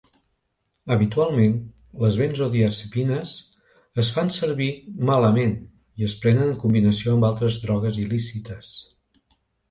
Habitualment les benzodiazepines es fan servir malament i es prenen en combinació amb altres drogues il·lícites.